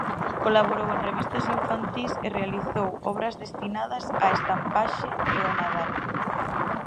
Colaborou en revistas infantís e realizou obras destinadas á estampaxe e ao Nadal.